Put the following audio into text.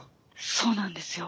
そうなんですよ。